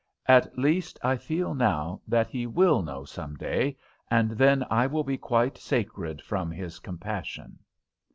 At least, I feel now that he will know some day, and then I will be quite sacred from his compassion."